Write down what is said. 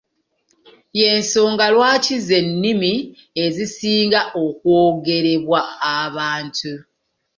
Y’ensonga lwaki ze nnini ezisinga okwogerebwa abantu.